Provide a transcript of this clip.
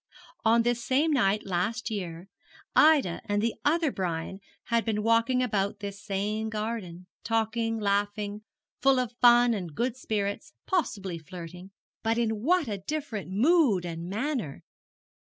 On this same night last year Ida and the other Brian had been walking about this same garden, talking, laughing, full of fun and good spirits, possibly flirting; but in what a different mood and manner!